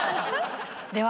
では